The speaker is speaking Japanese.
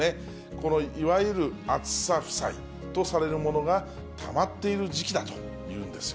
このいわゆる暑さ負債とされるものがたまっている時期だというんですよ。